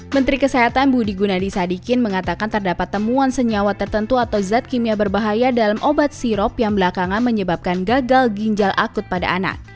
menteri kesehatan budi gunadisadikin mengatakan terdapat temuan senyawa tertentu atau zat kimia berbahaya dalam obat sirop yang belakangan menyebabkan gagal ginjal akut pada anak